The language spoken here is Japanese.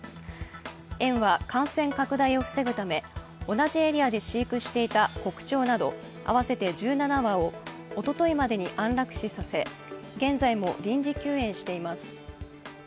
園は感染拡大を防ぐため同じエリアで飼育していたコクチョウなど合わせて１７羽をおとといまでに安楽死させ現在も臨時休園しています。